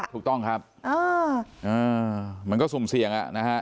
ถูกต้องครับมันก็สุ่มเสี่ยง